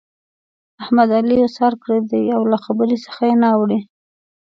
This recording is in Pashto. احمد؛ علي اوسار کړی دی او له خبرې څخه يې نه اوړي.